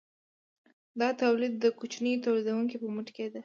دا تولید د کوچنیو تولیدونکو په مټ کیده.